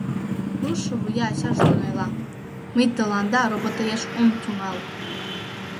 Руштшо вуя ачажлан ойла: «Мый тыланда роботаяш ом тӱҥал.